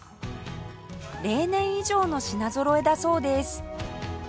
例年以上の品ぞろえだそうです